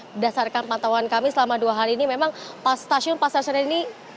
berdasarkan pantauan kami selama dua hari ini memang stasiun pasar senen ini